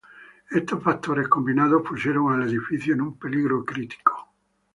Estos factores combinados pusieron al edificio en un peligro crítico.